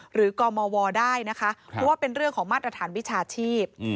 กมวได้นะคะเพราะว่าเป็นเรื่องของมาตรฐานวิชาชีพ